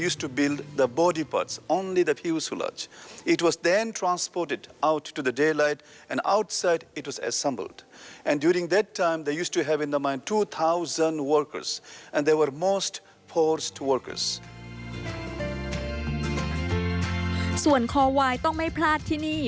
ส่วนคอวายต้องไม่พลาดที่นี่